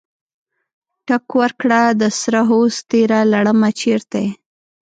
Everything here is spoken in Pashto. ټک ورکړه دسره هوس تیره لړمه چرته یې؟